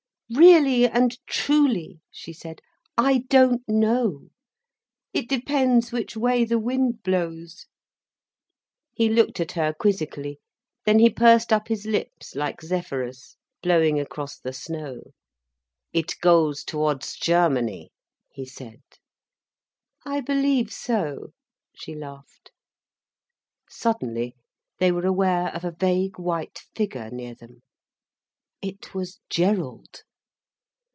"Really and truly," she said, "I don't know. It depends which way the wind blows." He looked at her quizzically, then he pursed up his lips, like Zephyrus, blowing across the snow. "It goes towards Germany," he said. "I believe so," she laughed. Suddenly, they were aware of a vague white figure near them. It was Gerald.